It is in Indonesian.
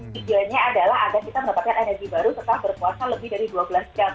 tentunya adalah agar kita mendapatkan energi baru setelah berpuasa lebih dari dua bulan setiap